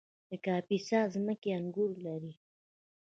د کاپیسا ځمکې انګور لري